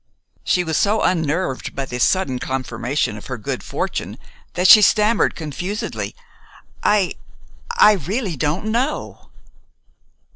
She was so unnerved by this sudden confirmation of her good fortune that she stammered confusedly, "I really don't know."